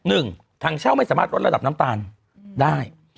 หนึ่งทางเช่าไม่สามารถลดระดับน้ำตาลได้